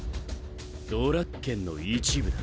ドラッケンの一部だ。